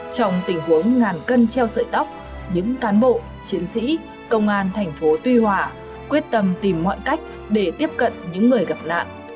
trong tình huống ngàn cân treo sợi tóc những cán bộ chiến sĩ công an thành phố tuy hòa quyết tâm tìm mọi cách để tiếp cận những người gặp nạn